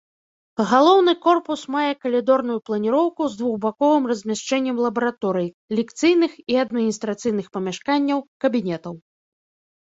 Галоўны корпус мае калідорную планіроўку з двухбаковым размяшчэннем лабараторый, лекцыйных і адміністрацыйных памяшканняў, кабінетаў.